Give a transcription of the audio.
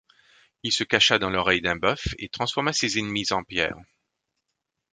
Il se cacha dans l'oreille d'un bœuf et transforma ses ennemis en pierre.